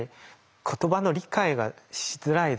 言葉の理解がしづらいです。